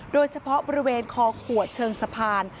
โดยเฉพาะบริเวณคอขวดเชิงสะพาน